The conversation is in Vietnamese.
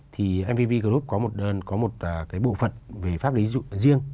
thì mvv group có một bộ phận về pháp lý riêng